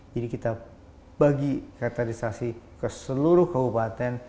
jadi kita bagi cateterisasi ke seluruh kabupaten